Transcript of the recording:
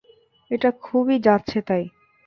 এটা খুবই যাচ্ছেতাই।